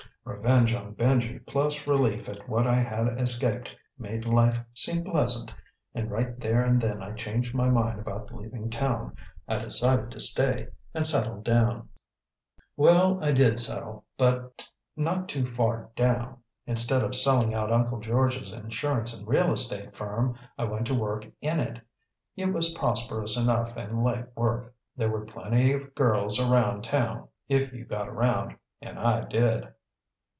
Revenge on Benji plus relief at what I had escaped made life seem pleasant, and right there and then I changed my mind about leaving town. I decided to stay and settled down. Well, I did settle, but not too far down. Instead of selling out Uncle George's insurance and real estate firm, I went to work in it. It was prosperous enough and light work. There were plenty of girls around town if you got around, and I did.